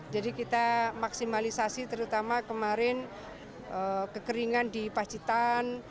jadi kita maksimalisasi terutama kemarin kekeringan di pacitan